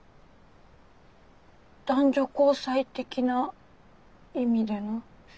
男女交際的な意味での？